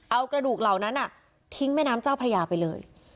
เอากระดูกเหล่านั้นทิ้งแม่น้ำเจ้าพระยาไปเลย